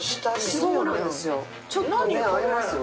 そうなんですよ。